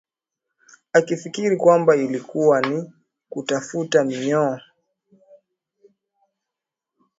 akifikiri kwamba ilikuwa ni kutafuta minyoo